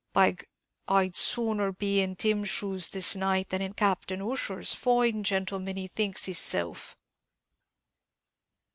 By G d, I'd sooner be in Tim's shoes this night than in Captain Ussher's, fine gentleman as he thinks hisself!"